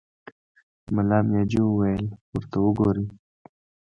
ملا مياجي وويل: ورته وګورئ!